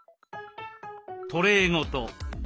トレーごと。